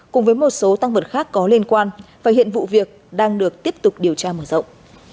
cùng với một số tăng vật khác có liên quan và hiện vụ việc đang được tiếp tục điều tra mở rộng